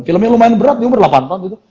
film yang lumayan berat dia umur delapan tahun gitu